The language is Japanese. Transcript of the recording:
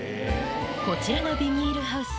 こちらのビニールハウス